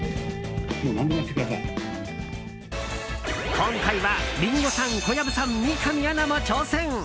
今回はリンゴさん、小籔さん三上アナも挑戦！